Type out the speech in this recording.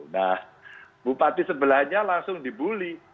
nah bupati sebelahnya langsung dibully